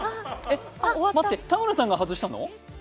待って、田村さんが外したの？